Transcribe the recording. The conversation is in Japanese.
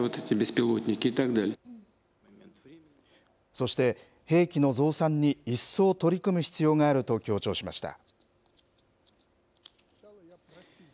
そして、兵器の増産にいっそう取り組む必要があると強調しました。